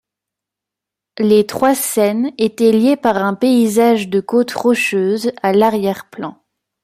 Les trois scènes étaient liées par un paysage de côte rocheuse, à l'arrière plan.